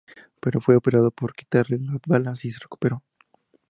Pero fue operado para quitarle las balas, y se recuperó.